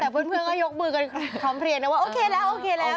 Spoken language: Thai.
แต่เพื่อนก็ยกมือกันพร้อมเพลียนะว่าโอเคแล้วโอเคแล้ว